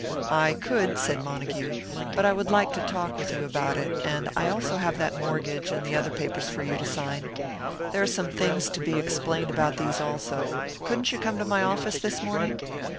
"I could," said Montague, "but I would like to talk with you about it; and also I have that mortgage, and the other papers for you to sign. There are some things to be explained about these, also. Couldn't you come to my office this morning?"